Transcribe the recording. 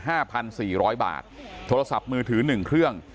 ห้าพันสี่ร้อยบาทโทรศัพท์มือถือหนึ่งเครื่อง